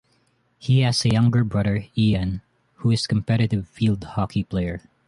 He has a younger brother, Ian, who is a competitive field hockey player.